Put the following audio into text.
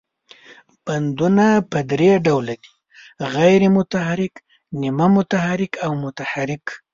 بندونه په درې ډوله دي، غیر متحرک، نیمه متحرک او متحرک.